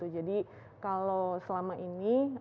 jadi kalau selama ini